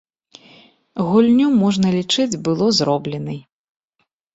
Гульню можна лічыць было зробленай.